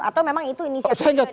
atau memang itu inisialnya